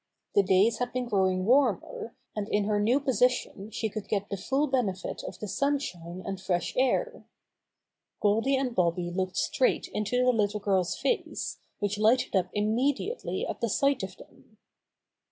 The days had been growing warmer, and in her new position she could get the full benefit of the sunshine and fresh air. Goldy and Bobby looked straight into the little girl's face, which lighted up immediately at the sight of them.